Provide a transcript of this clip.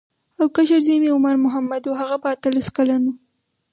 او کشر زوی مې عمر محمد و هغه به اتلس کلن و.